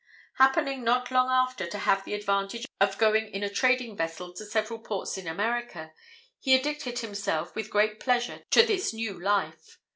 Happening, not long after, to have the advantage of going in a trading vessel to several ports in America, he addicted himself with great pleasure to this new life.